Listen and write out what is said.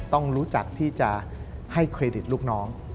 ต้องรู้จักที่จะให้เครดิตลูกน้อง